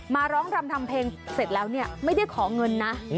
มาร้องรำทำเพลงเสร็จแล้วเนี่ยไม่ได้ขอเงินนะ